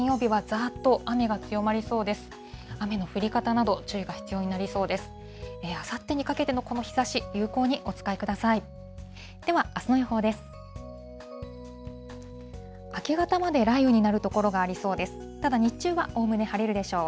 あさってにかけてのこの日ざし、有効にお使いください。